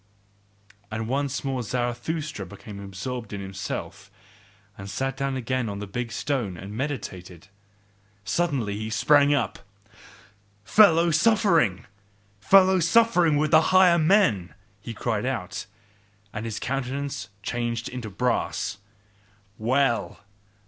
And once more Zarathustra became absorbed in himself, and sat down again on the big stone and meditated. Suddenly he sprang up, "FELLOW SUFFERING! FELLOW SUFFERING WITH THE HIGHER MEN!" he cried out, and his countenance changed into brass. "Well!